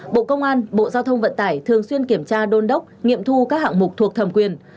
bộ công an bộ giao thông vận tải thường xuyên kiểm tra đôn đốc nghiệm thu các hạng mục thuộc thẩm quyền